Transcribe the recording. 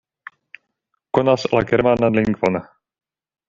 Konas la germanan lingvon.